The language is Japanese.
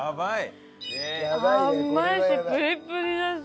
甘いしプリプリだし